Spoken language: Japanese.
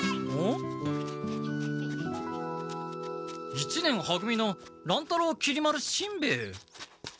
一年は組の乱太郎きり丸しんべヱ。